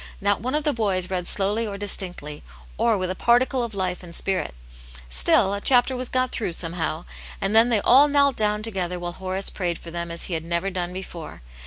Not one of the boys read slowly or distinctly, or with a particle of lifef and spirit ; still, a efhapter was got through, somehow, and then they all knelt down together while Horace prayed for them as he had never done before.